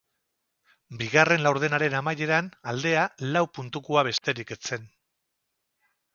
Bigarren laurdenaren amaieran aldea lau puntukoa besterik ez zen.